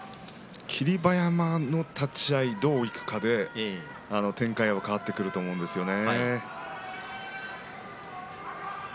霧馬山、立ち合いどうやっていくかで展開が変わってくると思うんですよね。